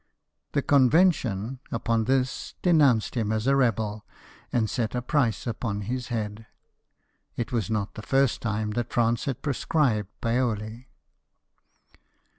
The Conven tion upon this denounced him as a rebel, and set a price upon his head. It was not the first time that France had proscribed Paoli.